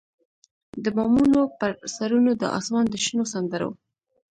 د بامونو پر سرونو د اسمان د شنو سندرو،